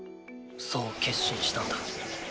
そう決心したんだ。